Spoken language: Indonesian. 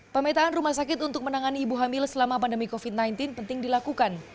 pemetaan rumah sakit untuk menangani ibu hamil selama pandemi covid sembilan belas penting dilakukan